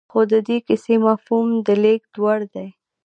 خو د دې کيسې مفهوم د لېږد وړ دی.